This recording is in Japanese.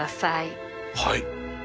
はい。